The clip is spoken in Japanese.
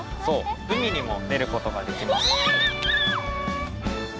そう海にも出ることができます。